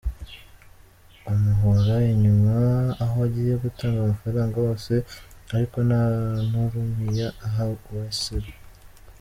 Amuhora inyuma aho agiye gutanga amafaranga hose ariko nta n’urumiya aha Weasel.